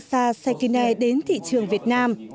yuki masa sekine đến thị trường việt nam